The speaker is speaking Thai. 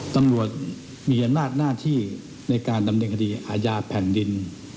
ตำรวจมีอำนาจหน้าที่ในการดำเนินคดีอาญาแผ่นดิน